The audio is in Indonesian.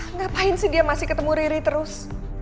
ngapain sih dia masih ketemu riri terus